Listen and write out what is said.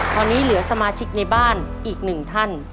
ตอนนี้เหลือสมาชิกในบ้านอีกหนึ่งท่าน